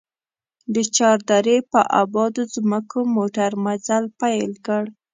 د چار درې په ابادو ځمکو موټر مزل پيل کړ.